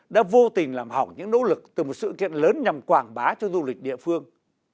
đã vô tình làm hỏng những nỗ lực từ một sự kiện lớn nhằm quảng bá cho du lịch địa phương